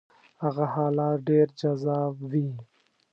هغه حالت ډېر جذاب وي.